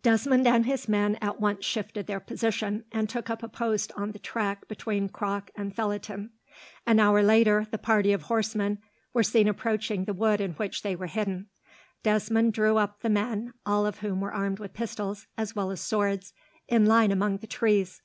Desmond and his men at once shifted their position, and took up a post on the track between Croc and Felletin. An hour later, the party of horsemen were seen approaching the wood in which they were hidden. Desmond drew up the men, all of whom were armed with pistols, as well as swords, in line among the trees.